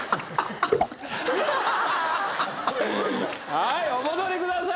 はいお戻りください